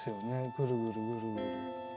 ぐるぐるぐるぐる。